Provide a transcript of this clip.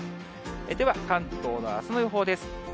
では、関東のあすの予報です。